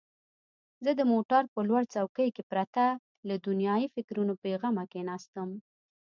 زه د موټر په لوړ څوکۍ کې پرته له دنیايي فکرونو بېغمه کښېناستم.